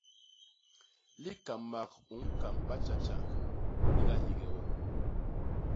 Likamak u ñkam batjatjañg li gahige we.